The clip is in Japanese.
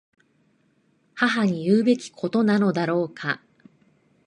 母に言うべきことなのだろうか。